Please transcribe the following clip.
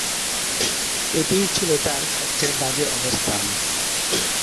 এটিই ছিল তার সবচেয়ে বাজে অবস্থান।